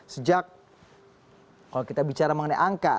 sejak kalau kita bicara mengenai angka